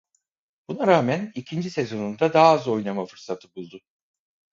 Buna rağmen ikinci sezonunda daha az oynama fırsatı buldu.